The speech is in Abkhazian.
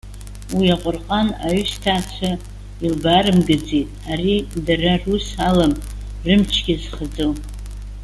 Уи аҟәырҟан аҩсҭаацәа илбаарымгаӡеит. Ари дара рус алам, рымчгьы азхаӡом.